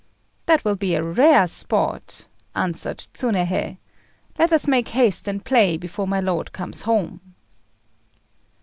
"That will be rare sport," answered Tsunéhei. "Let us make haste and play, before my lord comes home."